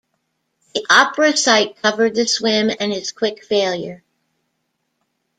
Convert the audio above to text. The Opera site covered the swim and his quick failure.